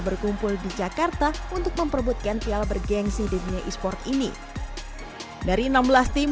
berkumpul di jakarta untuk memperbutkan piala bergensi di dunia esports ini dari enam belas tim